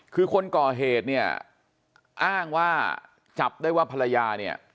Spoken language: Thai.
คือคนก่อเหตุเนี่ยอ้างว่าจับได้ว่าภรรยาเนี่ย